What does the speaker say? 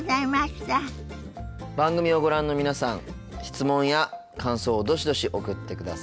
番組をご覧の皆さん質問や感想をどしどし送ってください。